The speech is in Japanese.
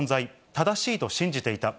正しいと信じていた。